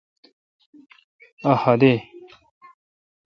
اؘ حد اؘئ۔